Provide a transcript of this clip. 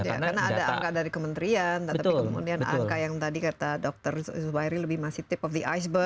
karena ada angka dari kementerian tapi kemudian angka yang tadi kata dokter zubairi lebih masih tip of the iceberg